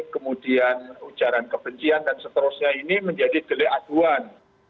kemudian ujaran kebencian dan seterusnya ini menjadi delik aduan